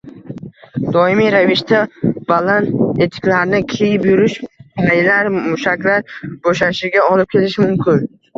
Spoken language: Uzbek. Doimiy ravishda baland etiklarni kiyib yurish paylar, mushaklar bo‘shashiga olib kelishi mumkin